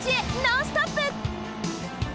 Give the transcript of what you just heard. ノンストップ！